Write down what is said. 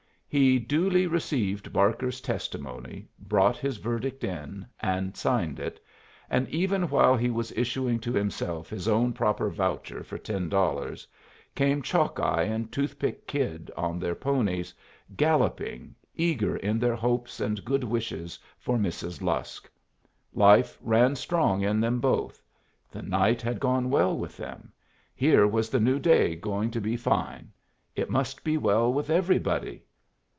He duly received Barker's testimony, brought his verdict in, and signed it, and even while he was issuing to himself his own proper voucher for ten dollars came Chalkeye and Toothpick Kid on their ponies, galloping, eager in their hopes and good wishes for Mrs. Lusk. Life ran strong in them both. The night had gone well with them. Here was the new day going to be fine. It must be well with everybody.